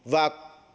và cụ thể